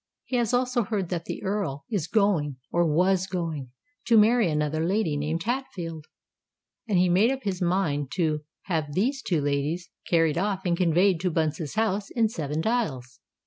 He has also heard that the Earl is going—or was going—to marry another lady, named Hatfield; and he has made up his mind to have these two ladies carried off and conveyed to Bunce's house in Seven Dials.